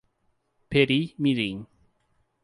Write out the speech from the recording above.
Peri Mirim